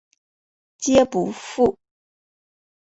皆不赴。